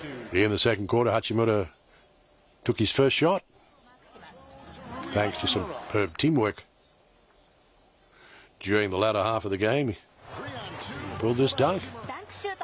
ダンクシュート。